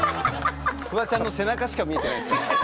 フワゃんの背中しか見えてないです。